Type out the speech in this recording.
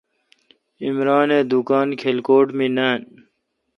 عمران اے° دکان کلکوٹ مے نان۔